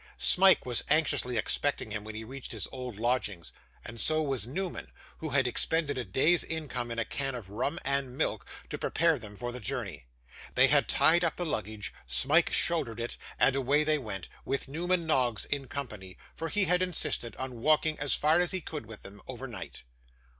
Smike was anxiously expecting him when he reached his old lodgings, and so was Newman, who had expended a day's income in a can of rum and milk to prepare them for the journey. They had tied up the luggage, Smike shouldered it, and away they went, with Newman Noggs in company; for he had insisted on walking as far as he could with them, overnight.